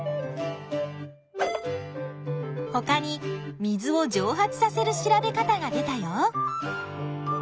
ほかに水を蒸発させる調べ方が出たよ。